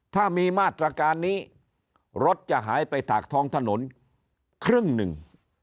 ถ้ามีมาตรการนี้รถจะหายไปถากท้องถนนครึ่งหนึ่ง